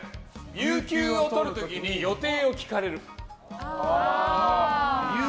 有給をとる時に予定を聞かれる。